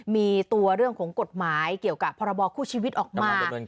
มีตัวเรื่องของกฎหมายเกี่ยวกับพรบคู่ชีวิตออกมา